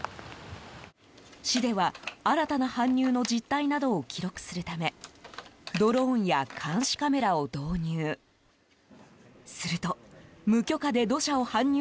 市では、新たな搬入の実態などを記録するためドローンや監視カメラを導入。